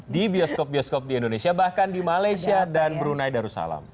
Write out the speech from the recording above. di bioskop bioskop di indonesia bahkan di malaysia dan brunei darussalam